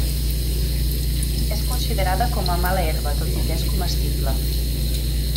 És considerada com a mala herba tot i que és comestible.